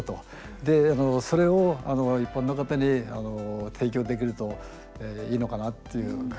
でそれを一般の方に提供できるといいのかなっていう考え方があって。